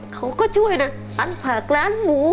เขาก็ช่วยนะอันผักร้านหมู